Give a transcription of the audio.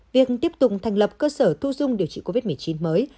việc tiếp tục thành lập cơ sở thu dung điều trị covid một mươi chín mới